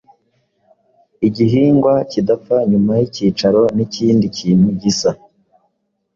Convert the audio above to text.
igihingwa kidapfa nyuma yicyicaro nikindi kintu gisa